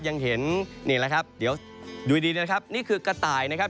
ยังเห็นนี่แหละครับเดี๋ยวดูดีนะครับนี่คือกระต่ายนะครับ